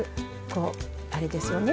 こうあれですよね